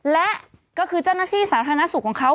และก็คือเจ้าหน้าที่สาธารณสุขของเขา